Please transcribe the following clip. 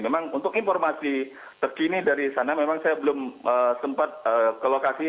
memang untuk informasi terkini dari sana memang saya belum sempat ke lokasi